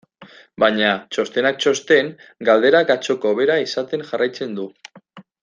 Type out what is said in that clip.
Baina, txostenak txosten, galderak atzoko bera izaten jarraitzen du.